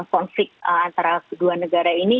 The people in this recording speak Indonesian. konflik antara kedua negara ini